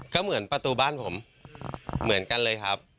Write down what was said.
ก็เหมือนประตูบ้านผมเหมือนกันเลยครับ